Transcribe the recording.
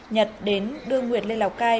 nhật đến đưa nguyệt lên lào cai